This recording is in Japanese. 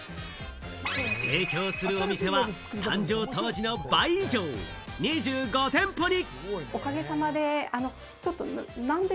提供するお店は誕生当時の倍以上、２５店舗に。